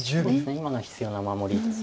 今のは必要な守りです。